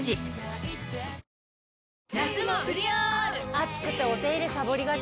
暑くてお手入れさぼりがち。